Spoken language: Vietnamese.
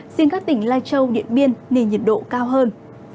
riêng các tỉnh lai châu điện biên nền nhiệt độ cao hơn